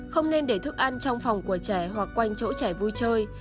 không nên để thức ăn trong phòng của trẻ hoặc quanh chỗ trẻ vui chơi